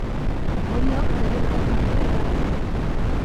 Oriok bere lehen bandera irabazi zuen.